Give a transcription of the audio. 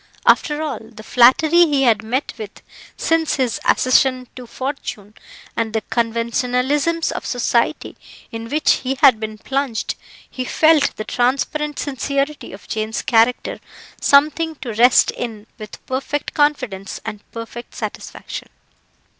After all the flattery he had met with since his accession to fortune, and the conventionalisms of society in which he had been plunged, he felt the transparent sincerity of Jane's character something to rest in with perfect confidence and perfect satisfaction.